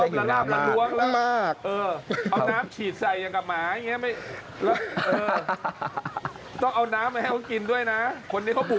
เพราะนักข่าวเรานี่